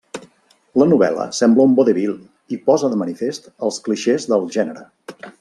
La novel·la sembla un vodevil i posa de manifest els clixés del gènere.